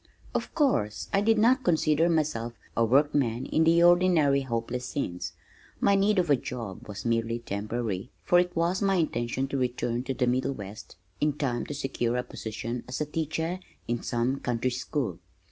Of course I did not consider myself a workman in the ordinary hopeless sense. My need of a job was merely temporary, for it was my intention to return to the Middle West in time to secure a position as teacher in some country school.